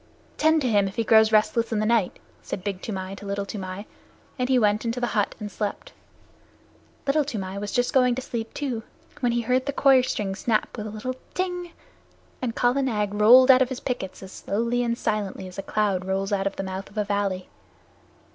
"Tend to him if he grows restless in the night," said Big Toomai to Little Toomai, and he went into the hut and slept. Little Toomai was just going to sleep, too, when he heard the coir string snap with a little "tang," and Kala Nag rolled out of his pickets as slowly and as silently as a cloud rolls out of the mouth of a valley.